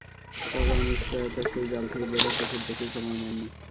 তবে অনিশ্চয়তার সেই জাল থেকে বের হতে খুব বেশি সময় নেননি।